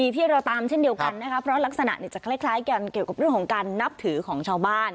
ที่เราตามเช่นเดียวกันนะคะเพราะลักษณะจะคล้ายกันเกี่ยวกับเรื่องของการนับถือของชาวบ้าน